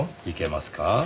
いけますか？